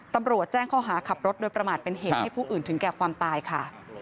ตำรวจแจ้งข้อหาขับรถโดยประมาทเป็นเหตุให้ผู้อื่นถึงแก่ความตายค่ะ